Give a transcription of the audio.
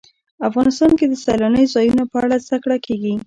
افغانستان کې د سیلانی ځایونه په اړه زده کړه کېږي.